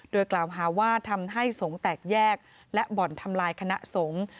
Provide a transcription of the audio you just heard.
โดยกล่าวหาว่าทำให้สงฆ์แตกแยกและบ่อนทำลายคณะสงฆ์